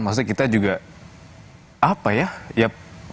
maksudnya kita juga apa ya